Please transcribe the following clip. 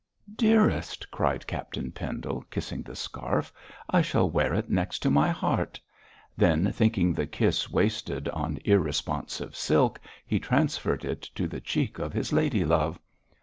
'Dearest,' cried Captain Pendle, kissing the scarf, 'I shall wear it next to my heart;' then, thinking the kiss wasted on irresponsive silk, he transferred it to the cheek of his lady love.